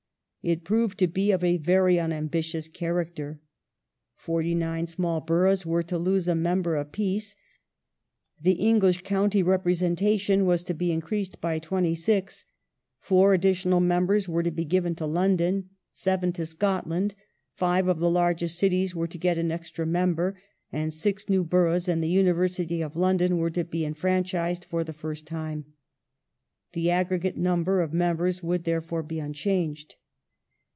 It proved to be of a very unambitious character. Forty nine small boroughs were to lojise a member apiece ; the English county representation was to be increased by twenty six ; four additional members were to be given to London ; seven to Scotland ; five of the largest cities were to get an extra member, and six new boroughs and the University of London were to be enfranchised for the first time. The aggregate number of members would, therefore, be unchanged.